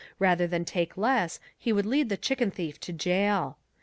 Rather than take less he would lead the chicken thief to jail.